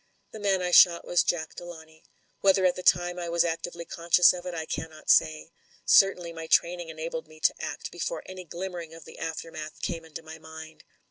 "The man I shot was Jack Delawnay. Whether at the time I was actively conscious of it, I cannot say. Certainly my training enabled me to act before any glimmering of the aftermath came into my mind.